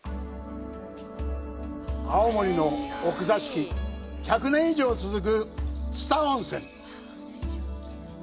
青森の奥座敷、１００年以上続く蔦温泉。